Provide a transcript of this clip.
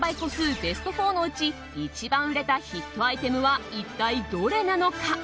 ベスト４のうち一番売れたヒットアイテムは一体どれなのか？